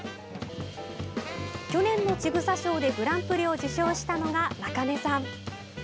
去年のちぐさ賞でグランプリを受賞したのが中根さん。